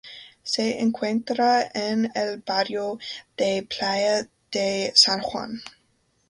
Se encuentra en el barrio de Playa de San Juan.